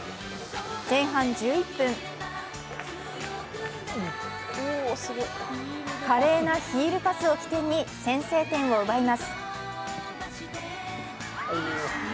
前半１１分、華麗なヒールパスを起点に先制点を奪います。